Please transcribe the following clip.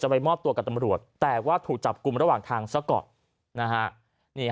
ไปมอบตัวกับตำรวจแต่ว่าถูกจับกลุ่มระหว่างทางซะก่อนนะฮะ